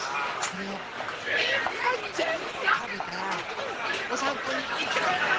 これをいっぱいぜんぶたべたらおさんぽにいってこよう！